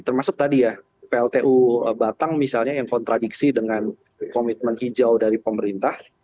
termasuk tadi ya pltu batang misalnya yang kontradiksi dengan komitmen hijau dari pemerintah